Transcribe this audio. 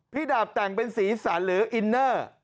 ดาบแต่งเป็นสีสันหรืออินเนอร์